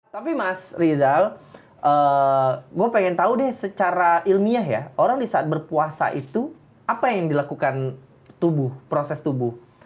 tapi mas rizal gue pengen tahu deh secara ilmiah ya orang di saat berpuasa itu apa yang dilakukan tubuh proses tubuh